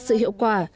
xe thật sự hiệu quả